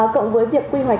cộng với việc quy hoạch